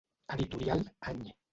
Editorial, any.